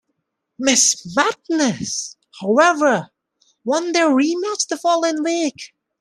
Miss Madness, however, won their rematch the following week.